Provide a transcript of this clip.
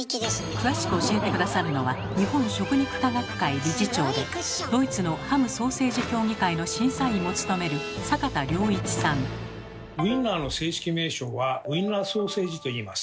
詳しく教えて下さるのは日本食肉科学会理事長でドイツのハム・ソーセージ競技会の審査員も務めるウインナーの正式名称は「ウインナーソーセージ」といいます。